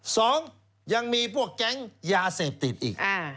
สองยังมีพวกแก๊งยาเสพติดอีก